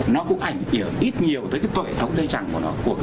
nó cũng ảnh hưởng ít nhiều tới cái tội thống thế chẳng của nó